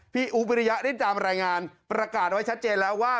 อุ๊บวิริยะได้ตามรายงานประกาศไว้ชัดเจนแล้วว่า